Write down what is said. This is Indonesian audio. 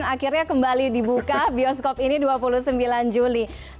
akhirnya kembali dibuka bioskop ini dua puluh sembilan juli